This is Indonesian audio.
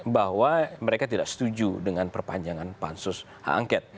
bahwa mereka tidak setuju dengan perpanjangan pansus h angke